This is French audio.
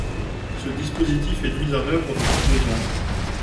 Ce dispositif est mis en œuvre depuis deux ans.